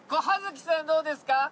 葉月さんどうですか？